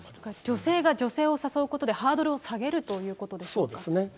女性が女性を誘うことでハードルを下げるということでしょうそうですね。